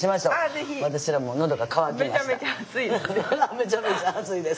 めちゃめちゃ暑いです。